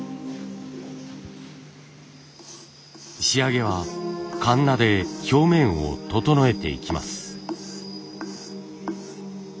仕上げはカンナで表面を整えていきます。